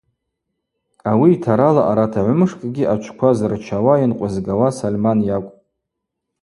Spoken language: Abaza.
Ауи йтарала арат агӏвымшкӏгьи ачвква зырчауа, йынкъвызгауа Сольман йакӏвпӏ.